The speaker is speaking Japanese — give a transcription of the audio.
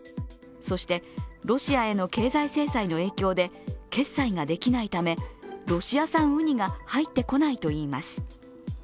そしてロシアへの経済制裁の影響で決済ができないためロシア産ウニが入ってこないといいます。